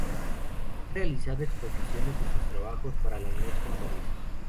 Ha realizado exposiciones de sus trabajos para la Unesco en París.